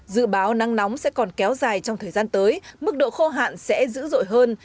dự báo nắng nóng sẽ còn kéo dài trong thời gian tới mức độ khô hạn sẽ dữ dội hơn